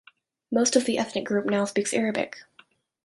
Most of the ethnic group now speaks Arabic.